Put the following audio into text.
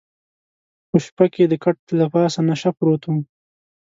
په شپه کې د کټ له پاسه نشه پروت وم.